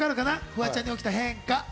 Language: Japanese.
フワちゃんに起きた変化。